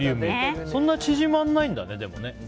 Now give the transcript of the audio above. そんなに縮まないんだね。